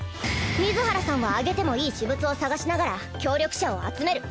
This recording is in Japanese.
水原さんはあげてもいい私物を探しながら協力者を集める。